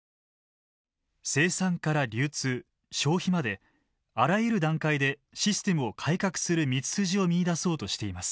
生産から流通消費まであらゆる段階でシステムを改革する道筋を見いだそうとしています。